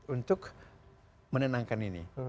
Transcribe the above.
untuk menenangkan ini